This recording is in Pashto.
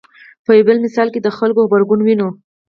په یو بل مثال کې د خلکو غبرګون وینو.